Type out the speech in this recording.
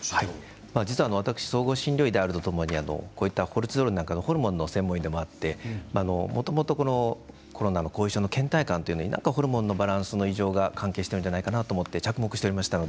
実は私、総合診療医であるとともにこういったコルチゾールなどのホルモンの専門家でもあってもともとコロナの後遺症のけん怠感などに何かホルモンのバランスの異常が関係してるんじゃないかと着目していました。